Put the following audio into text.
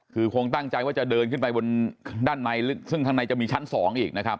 คือคงตั้งใจว่าจะเดินขึ้นไปบนด้านในลึกซึ่งข้างในจะมีชั้น๒อีกนะครับ